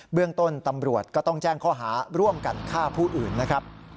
เรื่องต้นตำรวจก็ต้องแจ้งข้อหาร่วมกันฆ่าผู้อื่นนะครับ